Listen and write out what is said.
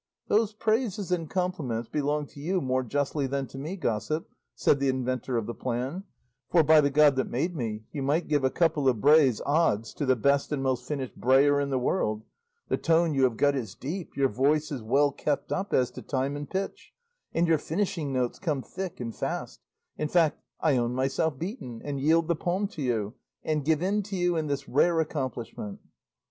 'Those praises and compliments belong to you more justly than to me, gossip,' said the inventor of the plan; 'for, by the God that made me, you might give a couple of brays odds to the best and most finished brayer in the world; the tone you have got is deep, your voice is well kept up as to time and pitch, and your finishing notes come thick and fast; in fact, I own myself beaten, and yield the palm to you, and give in to you in this rare accomplishment.